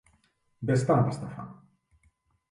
Ves-te'n a pastar fang!